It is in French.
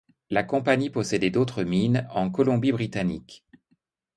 La compagnie possédait d'autres mines, en Colombie-Britannique.